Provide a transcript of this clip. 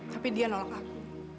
tapi dia nolak aku